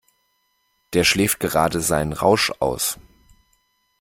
Der schläft gerade seinen Rausch aus.